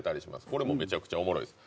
これもめちゃくちゃおもろいです。